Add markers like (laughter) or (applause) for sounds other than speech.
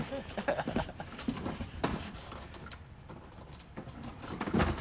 ハハハ (laughs)